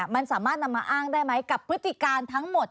มันสามารถนำมาอ้างได้ไหมกับพฤติการทั้งหมด